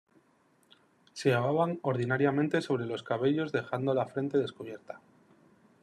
Se llevaban ordinariamente sobre los cabellos dejando la frente descubierta.